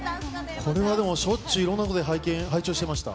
これはでもしょっちゅういろんな所で拝聴してました。